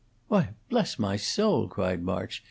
'" "Why, bless my soul!" cried March.